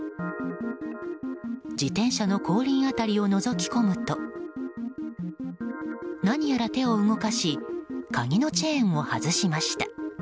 自転車の後輪辺りをのぞき込むと何やら手を動かし鍵のチェーンを外しました。